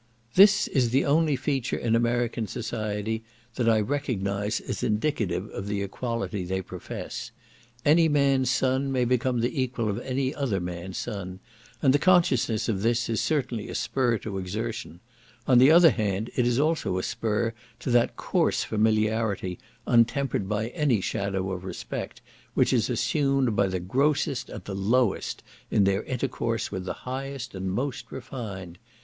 This is the only feature in American society that I recognise as indicative of the equality they profess. Any man's son may become the equal of any other man's son, and the consciousness of this is certainly a spur to exertion; on the other hand, it is also a spur to that coarse familiarity, untempered by any shadow of respect, which is assumed by the grossest and the lowest in their intercourse with the highest and most refined.